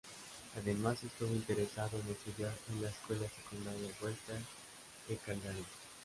Además estuvo interesado en estudiar en la Escuela Secundaria Western de Calgary.